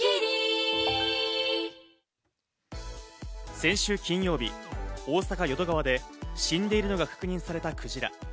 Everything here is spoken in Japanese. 先週金曜日、大阪・淀川で死んでいるのが確認されたクジラ。